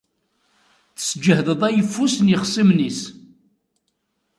Tesǧehdeḍ ayeffus n yixṣimen-is.